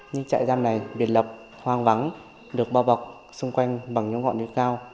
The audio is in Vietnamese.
nhưng trại giam này biệt lập hoang vắng được bao bọc xung quanh bằng những ngọn núi cao